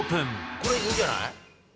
これいいんじゃない？